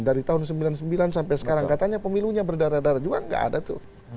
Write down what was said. dari tahun seribu sembilan ratus sembilan puluh sembilan sampai sekarang katanya pemilunya berdarah darah juga nggak ada tuh